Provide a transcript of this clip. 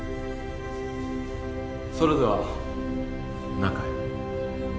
それでは中へ。